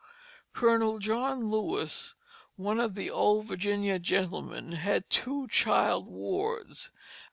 Colonel John Lewis, one of the old Virginia gentlemen, had two child wards.